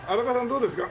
どうですか？